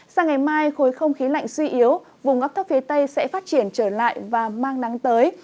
sang ngày mai khối không khí lạnh suy yếu vùng ngắp thấp phía tây sẽ phát triển trở lại và mang nắng tới